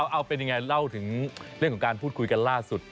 เอาเป็นยังไงเล่าถึงเรื่องของการพูดคุยกันล่าสุด